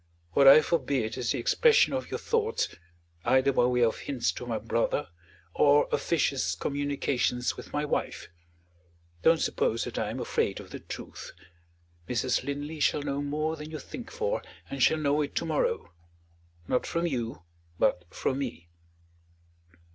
What I forbid is the expression of your thoughts either by way of hints to my brother, or officious communications with my wife. Don't suppose that I am afraid of the truth. Mrs. Linley shall know more than you think for, and shall know it to morrow; not from you, but from me."